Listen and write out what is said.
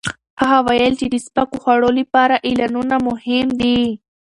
هغه وویل چې د سپکو خوړو لپاره اعلانونه مهم دي.